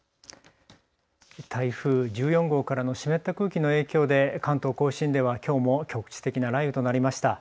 台風１４号からの湿った空気の影響で関東甲信では、きょうも局地的な雷雨となりました。